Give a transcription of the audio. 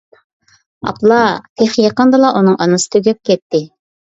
ئاپلا، تېخى يېقىندىلا ئۇنىڭ ئانىسى تۈگەپ كەتتى.